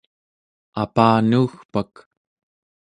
Apanuugpak